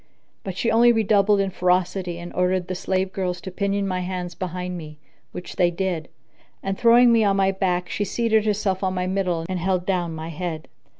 But she only redoubled in ferocity and ordered the slave girls to pinion my hands behind me, which they did; and, throwing me on my back, she seated herself on my middle and held down my head.